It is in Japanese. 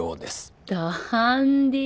ダンディ。